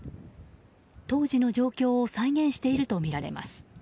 当時の状況を再現しているとみられます。